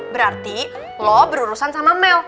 berarti lo berurusan sama mel